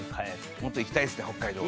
もっと行きたいですね北海道は。